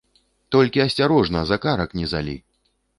Толькі асцярожна, за карак не залі.